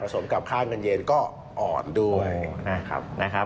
สมกับข้าวมันเย็นก็อ่อนด้วยนะครับ